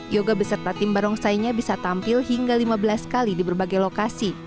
yoga beserta tim barongsainya bisa tampil hingga lima belas kali di berbagai lokasi